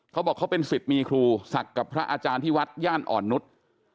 เขาบอกเขาเป็นสิทธิ์มีครูศักดิ์กับพระอาจารย์ที่วัดย่านอ่อนนุษย์